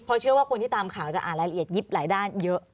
เพราะเชื่อว่าคนที่ตามข่าวจะอ่านรายละเอียดยิบหลายด้านเยอะ